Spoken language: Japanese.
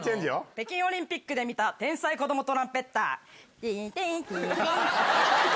北京オリンピックで見た天才子どもトランぺッター。